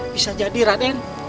bisa jadi raden